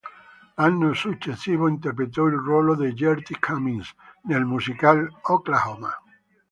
L'anno successivo interpretò il ruolo di Gertie Cummings nel musical "Oklahoma!